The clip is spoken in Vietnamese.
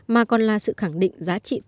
mà còn là sự khẳng định giá trị pháp lý